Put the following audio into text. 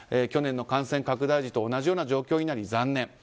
去年の感染拡大時と同じような状況になり残念。